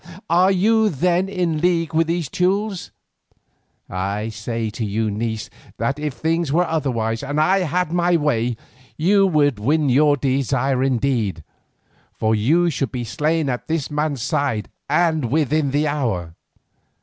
Are you then in league with these Teules? I say to you, niece, that if things were otherwise and I had my way, you should win your desire indeed, for you should be slain at this man's side and within the hour."